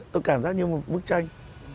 tôi cảm giác như một bức tranh